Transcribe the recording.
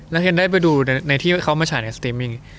แล้วเห็นได้ไปดูในที่เขามาฉายในสตรีมมิ่ง